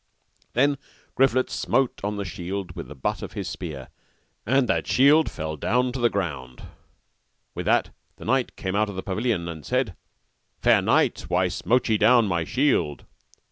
Then Griflet smote on the shield with the butt of his spear, that the shield fell down to the ground. With that the knight came out of the pavilion, and said, Fair knight, why smote ye down my shield?